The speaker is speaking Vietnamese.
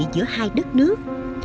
giữa hai đất nước